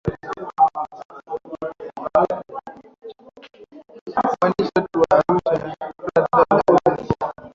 mwandishi wetu wa arusha rodn tatels sindela